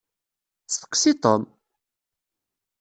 Steqsi Tom!